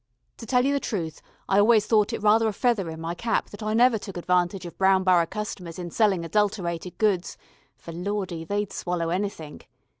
To tell you the truth, I always thought it rather a feather in my cap that I never took advantage of Brown Borough customers in selling adulterated goods, for Lawdy they'd swallow anythink.